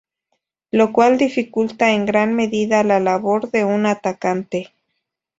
Lo cual dificulta en gran medida la labor de un atacante.